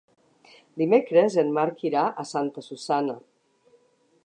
Dimecres en Marc irà a Santa Susanna.